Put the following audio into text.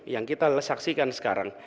yang kita saksikan sekarang